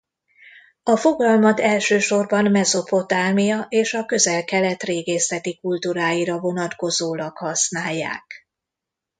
A fogalmat elsősorban Mezopotámia és a Közel-Kelet régészeti kultúráira vonatkozólag használják.